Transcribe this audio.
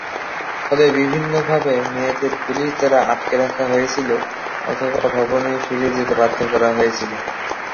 ফলে বিভিন্নভাবে মেয়েদের পুলিশ দ্বারা আটকে রাখা হয়েছিল, অথবা ভবনে ফিরে যেতে বাধ্য করা হয়েছিল।